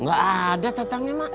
gak ada tatangnya mah